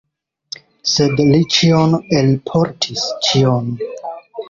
Sed li ĉion elportis, ĉion!